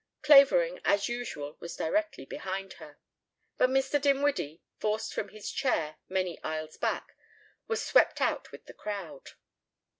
Clavering, as usual, was directly behind her, but Mr. Dinwiddie, forced from his chair many aisles back, was swept out with the crowd.